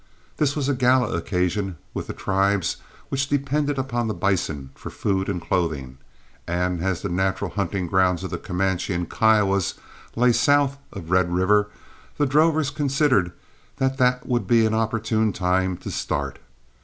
This was a gala occasion with the tribes which depended on the bison for food and clothing; and as the natural hunting grounds of the Comanches and Kiowas lay south of Red River, the drovers considered that that would be an opportune time to start.